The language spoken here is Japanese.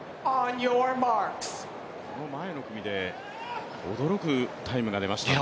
この前の組で驚くタイムが出ましたので。